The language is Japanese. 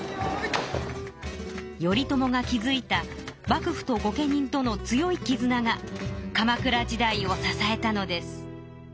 頼朝が築いた幕府と御家人との強いきずなが鎌倉時代を支えたのです。